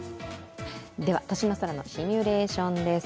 都心の空のシミュレーションです。